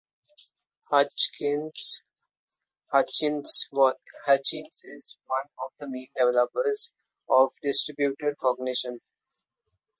Hutchins is one of the main developers of distributed cognition.